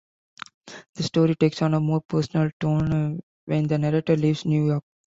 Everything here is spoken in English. The story takes on a more personal tone when the narrator leaves New York.